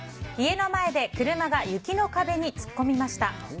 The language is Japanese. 家の前で車が雪の壁に突っ込みました。